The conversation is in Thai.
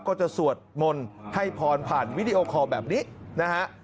ก็จะสวดมนต์ให้พรผ่านวิดีโอคอลแบบนี้นะฮะ